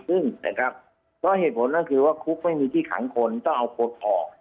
หยุดปฏิเสธคุกได้ที่ไม่ได้ขังคนจงต้องเอาโคตรออก